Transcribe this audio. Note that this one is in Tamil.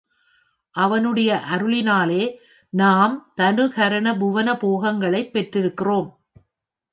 அவனுடைய அருளினாலே நாம் தனுகரணபுவன போகங்களைப் பெற்றிருக்கிறோம்.